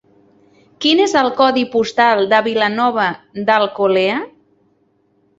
Quin és el codi postal de Vilanova d'Alcolea?